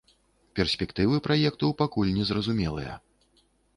Перспектывы праекту пакуль незразумелыя.